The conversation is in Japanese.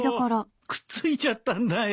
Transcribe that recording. くっついちゃったんだよ。